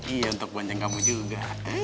iya untuk bonceng kamu juga